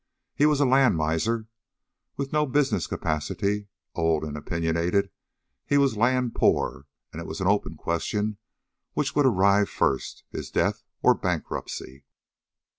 He was a land miser. With no business capacity, old and opinionated, he was land poor, and it was an open question which would arrive first, his death or bankruptcy.